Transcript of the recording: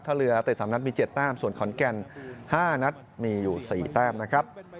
ถ้าเรือเตะ๓นัดมี๗แต้มส่วนขอนแก่น๕นัดมีอยู่๔แต้มนะครับ